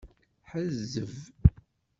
Ḥezzeb.